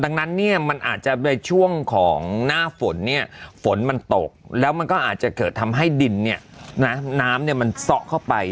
ดังนั้นเนี่ยมันอาจจะในช่วงของหน้าฝนเนี่ยฝนมันตกแล้วมันก็อาจจะเกิดทำให้ดินเนี่ยนะน้ำมันซะเข้าไป